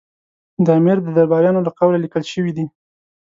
د امیر د درباریانو له قوله لیکل شوي دي.